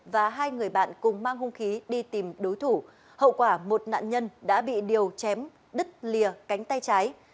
và hai người bạn cùng mang hung khí đi tìm đối thủ hậu quả một nạn nhân đã bị điều chém đứt lìa cánh tay trái